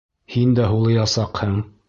Һин дә һулыясаҡһың.